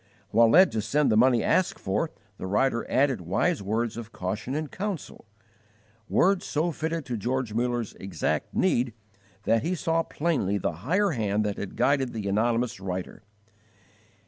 While led to send the money asked for, the writer added wise words of caution and counsel words so fitted to George Muller's exact need that he saw plainly the higher Hand that had guided the anonymous writer.